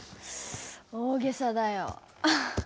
大げさだよ。